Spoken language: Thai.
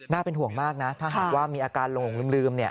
เป็นห่วงมากนะถ้าหากว่ามีอาการหลงลืม